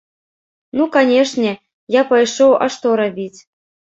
Ну канечне, я пайшоў, а што рабіць.